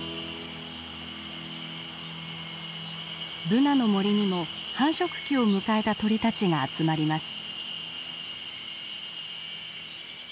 ブナの森にも繁殖期を迎えた鳥たちが集まります。